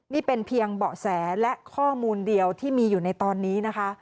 นี่เป็นเพียงเบาะแสและข้อมูลเดียวที่มีอยู่ในตอนนี้นะคะ